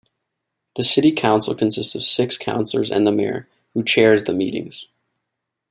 The city council consists of six councillors and the mayor, who chairs the meetings.